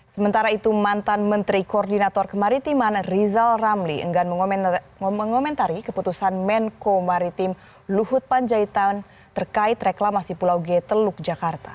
sementara itu mantan menteri koordinator kemaritiman rizal ramli enggan mengomentari keputusan menko maritim luhut panjaitan terkait reklamasi pulau g teluk jakarta